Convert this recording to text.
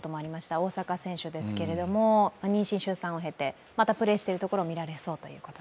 大坂選手ですけれども妊娠・出産を経てまたプレーしているところを見られそうということで。